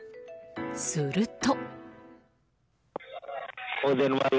すると。